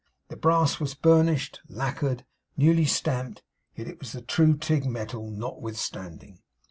The brass was burnished, lacquered, newly stamped; yet it was the true Tigg metal notwithstanding.